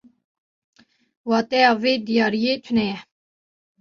Wateya vê diyariyê tune ye.